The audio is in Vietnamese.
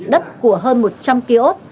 đất của hơn một trăm linh ký ốt